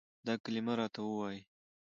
دا کلمه راته وايي،